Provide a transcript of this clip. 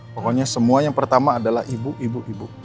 pokoknya semua yang pertama adalah ibu ibu